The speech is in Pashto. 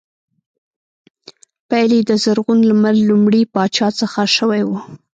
پیل یې د زرغون لمر لومړي پاچا څخه شوی و